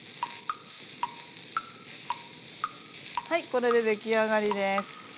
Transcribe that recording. はいこれでできあがりです。